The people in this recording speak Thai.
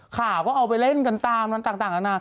ข่าวก็เอาไปเล่นกันตามต่างนานา